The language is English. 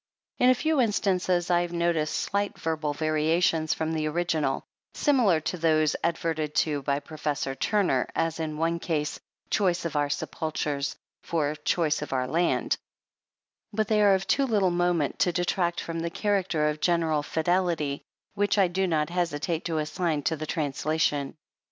In a few instances I have noticed slight verbal variations from the ori ginal, similar to those adverted to by Prof Turner, as in one case " choice of our sepulchres''^ for "choice of our land ," but they are of too little moment to de tract from the character of general fidelity which I do not hesitate to assign to the translation.